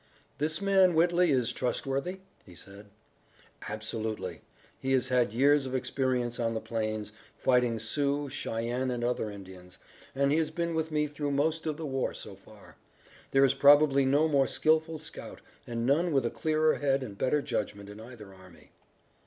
"This man Whitley is trustworthy?" he said. "Absolutely. He has had years of experience on the plains, fighting Sioux, Cheyennes and other Indians, and he has been with me through most of the war so far. There is probably no more skillful scout, and none with a clearer head and better judgment in either army."